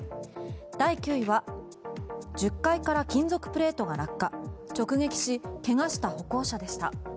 第９位は１０階から金属プレートが落下直撃し、怪我した歩行者でした。